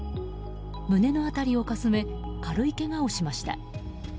胸の辺りをかすめ軽いけがをしました。